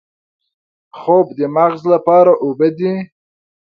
خوب د مغز لپاره اوبه دي